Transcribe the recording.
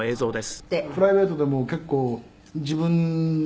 「プライベートでも結構自分がね